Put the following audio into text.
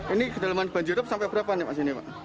ini kedalaman banjir rom sampai berapa nih pak